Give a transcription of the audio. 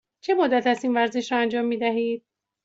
چه مدت است این ورزش را انجام می دهید؟